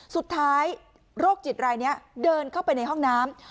สุดท้ายโรคจิตรายเนี่ยเดินเข้าไปในห้องน้ำ